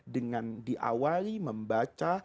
dengan diawali membaca